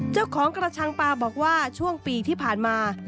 เจ้าของกระชังปลาบอกว่าช่วงปีที่ผ่านมา